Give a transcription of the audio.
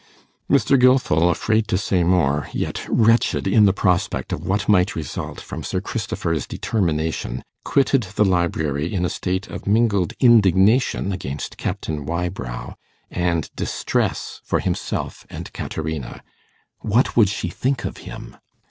Mr. Gilfil, afraid to say more, yet wretched in the prospect of what might result from Sir Christopher's determination, quitted the library in a state of mingled indignation against Captain Wybrow, and distress for himself and Caterina. What would she think of him?